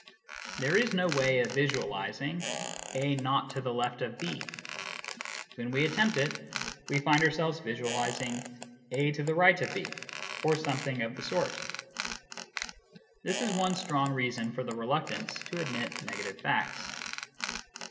There is no way of visualising " A not to the left of B." When we attempt it, we find ourselves visualising " A to the right of B " or something of the sort. This is one strong reason for the reluctance to admit negative facts.